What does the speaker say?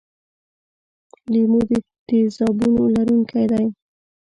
لیمو د تیزابونو لرونکی دی.